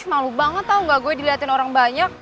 malu banget tau nggak gue diliatin orang banyak